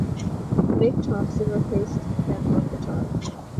Mick Thomson replaced him on guitar.